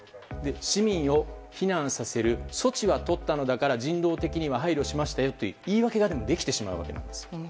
市民を避難させる措置はとったのだから人道的には配慮しましたよという言い訳はできてしまうわけです。